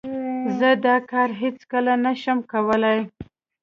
زه دا کار هیڅ کله نه شم کولای.